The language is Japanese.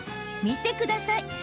見てください。